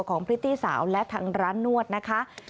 พริตตี้สาวและทางร้านนวดนะคะ